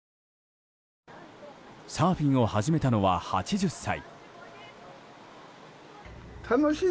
サーフィンを始めたのは８０歳。